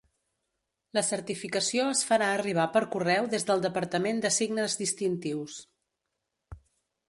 La certificació es farà arribar per correu des del Departament de Signes Distintius.